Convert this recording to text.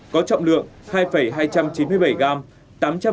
có trọng lượng hai hai trăm chín mươi bảy gram